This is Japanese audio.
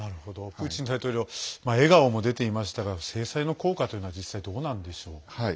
プーチン大統領笑顔も出ていましたが制裁の効果というのは実際どうなんでしょう？